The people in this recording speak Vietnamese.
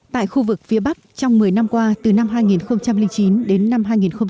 tại khu vực phía bắc trong một mươi năm qua từ năm hai nghìn chín đến năm hai nghìn một mươi